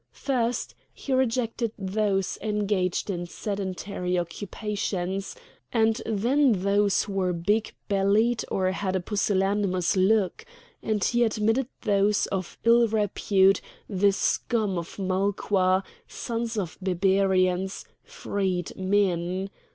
First he rejected those engaged in sedentary occupations, and then those who were big bellied or had a pusillanimous look; and he admitted those of ill repute, the scum of Malqua, sons of Barbarians, freed men.